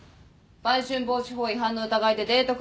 売春防止法違反の疑いでデート